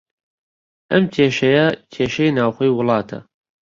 ئەم کێشەیە، کێشەی ناوخۆی وڵاتە